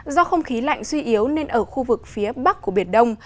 do không khí lạnh suy yếu nên ở khu vực phía bắc của biển đông